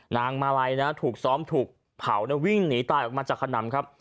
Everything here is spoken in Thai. นางมาลัยนะถูกซ้อมถูกเผาวิ่งหนีตายออกมาจากขนำครับ